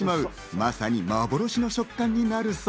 まさに幻の食感になるそう。